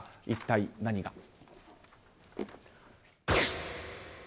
一体何が。